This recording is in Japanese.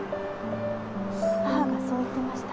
母がそう言ってました。